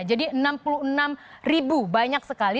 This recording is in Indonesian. jadi enam puluh enam ribu banyak sekali